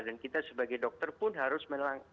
dan kita sebagai dokter pun harus melakukan